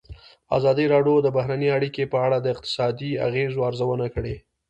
ازادي راډیو د بهرنۍ اړیکې په اړه د اقتصادي اغېزو ارزونه کړې.